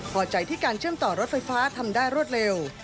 พอใจที่การเชื่อมต่อรถไฟฟ้าทำได้รวดเร็ว